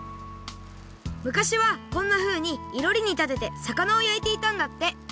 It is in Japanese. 昔はこんなふうにいろりにたててさかなをやいていたんだって！